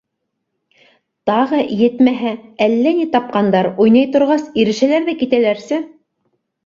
Тағы, етмәһә, әллә ни тапҡандар, уйнай торғас, ирешәләр ҙә китәләрсе.